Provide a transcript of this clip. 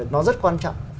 nó rất quan trọng